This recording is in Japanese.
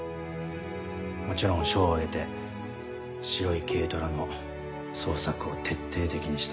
もちろん署を挙げて白い軽トラの捜索を徹底的にした。